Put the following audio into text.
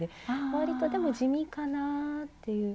わりとでも地味かなっていう。